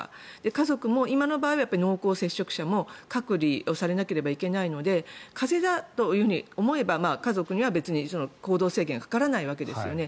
家族も今の場合は濃厚接触者も隔離をされなければいけないので風邪だと思えば家族には別に行動制限がかからないですよね。